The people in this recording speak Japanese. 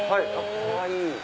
かわいい。